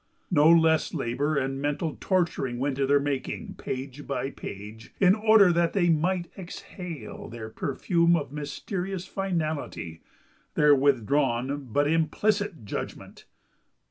No less labour and mental torturing went to their making, page by page, in order that they might exhale their perfume of mysterious finality, their withdrawn but implicit judgment.